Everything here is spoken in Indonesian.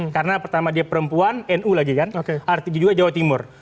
karena pertama dia perempuan nu lagi kan artinya juga jawa timur